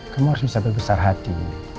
kamu harus bisa berbesar hati